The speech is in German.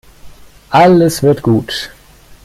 Alles wird gut.